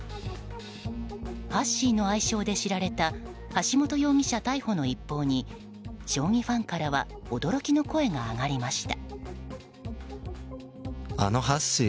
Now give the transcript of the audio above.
ハッシーの愛称で知られた橋本容疑者逮捕の一報に将棋ファンからは驚きの声が上がりました。